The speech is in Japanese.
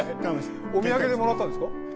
お土産でもらったんですか？